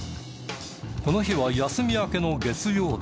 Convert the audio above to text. この日は休み明けの月曜日。